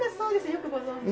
よくご存じで。